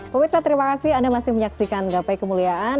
pemirsa terima kasih anda masih menyaksikan gapai kemuliaan